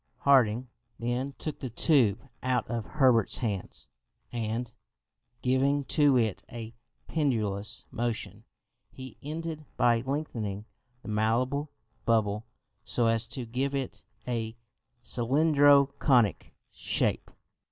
Harding then took the tube out of Herbert's hands, and, giving to it a pendulous motion, he ended by lengthening the malleable bubble so as to give it a cylindro conic shape.